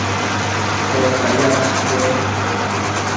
¿tedtsi yash chue